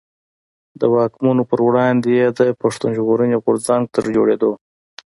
د واکمنو پر وړاندي يې د پښتون ژغورني غورځنګ تر جوړېدو.